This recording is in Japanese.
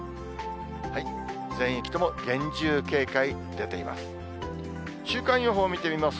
全域とも厳重警戒出ています。